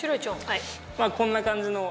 こんな感じの。